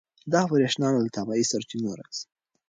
دا برېښنا له طبیعي سرچینو راځي.